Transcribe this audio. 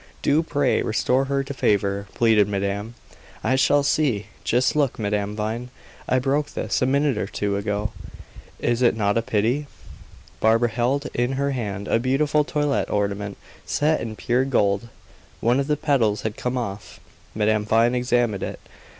"Do, pray, restore her to favor," pleaded madame. "I shall see. Just look, Madame Vine! I broke this, a minute or two ago. Is it not a pity?" Barbara held in her hand a beautiful toilette ornament, set in pure gold. One of the petals had come off. Madame Vine examined it.